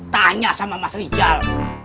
tanya sama mas rijal